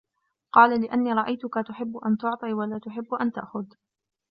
قَالَ لِأَنِّي رَأَيْتُك تُحِبُّ أَنْ تُعْطِيَ وَلَا تُحِبُّ أَنْ تَأْخُذَ